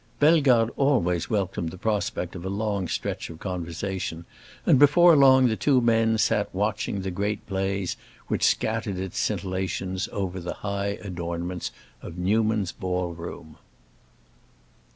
Bellegarde always welcomed the prospect of a long stretch of conversation, and before long the two men sat watching the great blaze which scattered its scintillations over the high adornments of Newman's ball room.